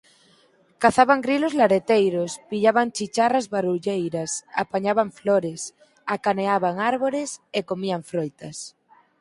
Cazaban grilos lareteiros, pillaban chicharras barulleiras, apañaban flores, acaneaban árbores e comían froitas.